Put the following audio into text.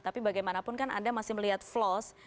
tapi bagaimanapun kan anda masih melihat flows